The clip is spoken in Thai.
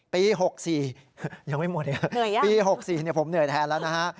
ปีหกสี่ยังไม่หมดเลยปีหกสี่เนี่ยผมเหนื่อยแทนแล้วนะฮะ